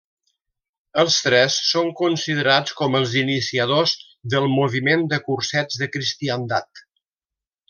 Els tres són considerats com els iniciadors del Moviment de Cursets de Cristiandat.